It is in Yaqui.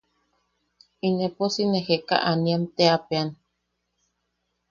Inepo si nee Jekaaniam teapean;.